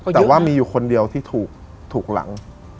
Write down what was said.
แต่ว่ามีอยู่คนเดียวที่ถูกหลัง